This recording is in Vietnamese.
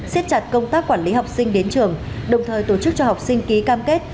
xiết chặt công tác quản lý học sinh đến trường đồng thời tổ chức cho học sinh ký cam kết